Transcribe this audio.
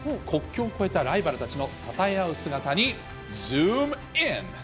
国境を越えたライバルたちのたたえ合う姿に、ズームイン！！